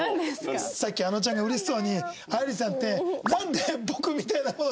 さっきあのちゃんがうれしそうに「愛理さんって」。